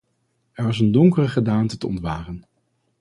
Er was een donkere gedaante te ontwaren.